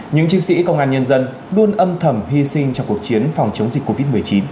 những chiến sĩ công an nhân dân luôn âm thầm hy sinh trong cuộc chiến phòng chống dịch covid một mươi chín